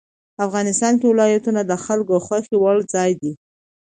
افغانستان کې ولایتونه د خلکو خوښې وړ ځای دی.